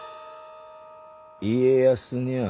家康にゃあ